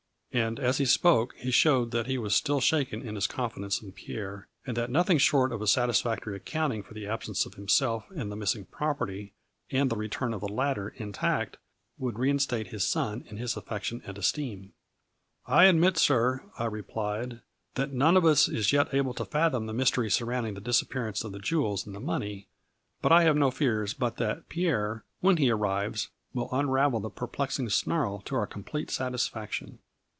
and, as he spoke he showed that he was still shaken in his confidence in Pierre, and that nothing short of a satisfactory A FLURRY IN DIAMONDS. 187 accounting for the absence of himself and the missing property, and the return of the latter intact would reinstate his son in his affection and esteem. " I admit, sir," I replied, " that none of us is yet able to fathom the mystery surrounding the disappearance of the jewels and money, but I have no fears but that Pierre, when he arrives, will unravel the perplexing snarl to our com plete satisfaction.